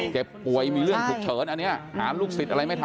เจ็บป่วยมีเรื่องฉุกเฉินอันนี้หาลูกศิษย์อะไรไม่ทัน